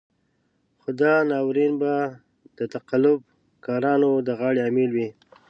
خو دا ناورين به د تقلب کارانو د غاړې امېل وي.